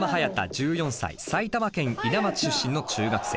１４歳埼玉県伊奈町出身の中学生。